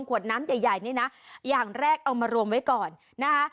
ขวดน้ำใหญ่นี่นะอย่างแรกเอามารวมไว้ก่อนนะคะ